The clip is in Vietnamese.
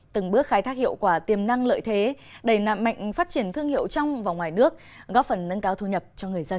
từng bước khai thác hiệu quả tiềm năng lợi thế đầy nạm mạnh phát triển thương hiệu trong và ngoài nước góp phần nâng cao thu nhập cho người dân